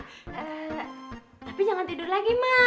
tapi jangan tidur lagi mak